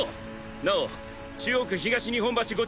なお中央区東日本橋５